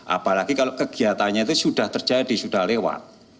apalagi kalau kegiatannya itu sudah terjadi sudah lewat